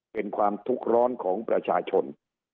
เป็นความทุกข์ร้อนของประชาชน